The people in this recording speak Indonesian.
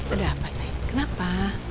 udah apa say kenapa